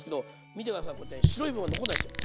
見て下さいこうやって白い部分が残んないんすよ。